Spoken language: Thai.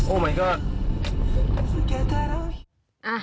โอ้มายก็อด